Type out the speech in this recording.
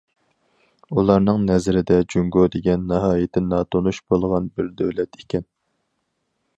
ئۇلارنىڭ نەزىرىدە جۇڭگو دېگەن ناھايىتى ناتونۇش بولغان بىر دۆلەت ئىكەن.